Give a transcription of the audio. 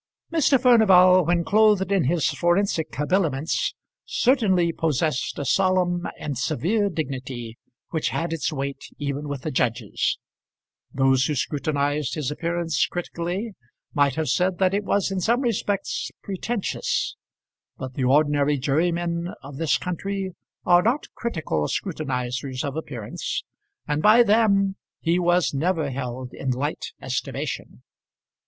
Mr. Furnival when clothed in his forensic habiliments certainly possessed a solemn and severe dignity which had its weight even with the judges. Those who scrutinised his appearance critically might have said that it was in some respects pretentious; but the ordinary jurymen of this country are not critical scrutinisers of appearance, and by them he was never held in light estimation.